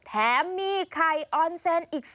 แถมมีไข่ออนเซนต์อีก๒ลูก